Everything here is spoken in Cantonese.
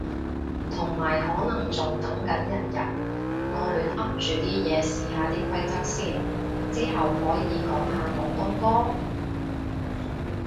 同埋可能仲等緊人入，我亂噏住啲嘢試下啲規則先。之後可以講下廣東歌？